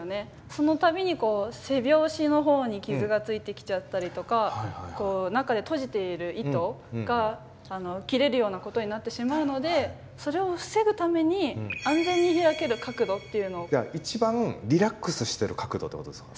その度に背表紙のほうに傷がついてきちゃったりとか中でとじている糸が切れるようなことになってしまうのでそれを防ぐために一番リラックスしてる角度ってことですか？